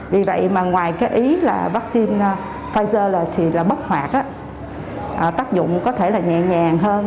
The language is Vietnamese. vì vậy mà ngoài cái ý là vắc xin pfizer thì là bất hoạt á tác dụng có thể là nhẹ nhàng hơn